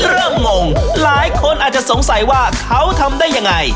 งงหลายคนอาจจะสงสัยว่าเขาทำได้ยังไง